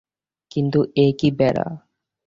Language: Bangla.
কিন্তু এ কী বেড়া!